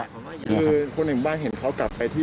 เกิดเกิดเหตุขึ้นแล้วคือคนในหมู่บ้านเห็นเขากลับไปที่